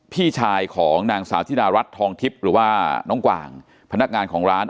พี่ชายของนางสาวธิดารัฐทองทิพย์หรือว่าน้องกวางพนักงานของร้าน